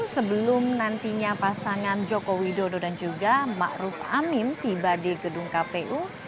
sebelum nantinya pasangan joko widodo dan juga ma'ruf amin tiba di gedung kpu